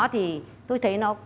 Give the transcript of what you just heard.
thì tôi thấy nó